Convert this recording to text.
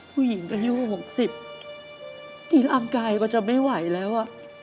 ผู้หญิงก็ยู่๖๐กินอังกายก็จะไม่ไหวแล้ว